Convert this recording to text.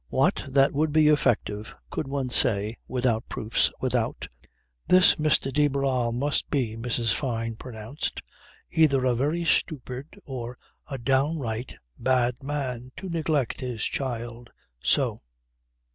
What, that would be effective, could one say, without proofs, without ... This Mr. de Barral must be, Mrs. Fyne pronounced, either a very stupid or a downright bad man, to neglect his child so.